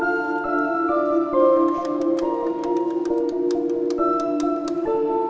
saya akan mengambil alih